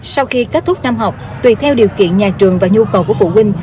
sau khi kết thúc năm học tùy theo điều kiện nhà trường và nhu cầu của phụ huynh